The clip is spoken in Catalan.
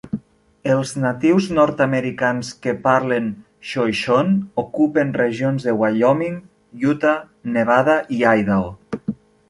Els natius nord-americans que parlen xoixon ocupen regions de Wyoming, Utah, Nevada i Idaho.